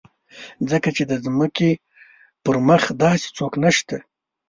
ځکه چې د ځمکې پر مخ داسې څوک نشته.